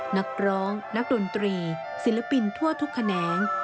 นักร้องนักดนตรีศิลปินทั่วทุกแขนง